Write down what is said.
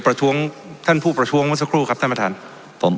ประท้วงท่านผู้ประท้วงเมื่อสักครู่ครับท่านประธานผม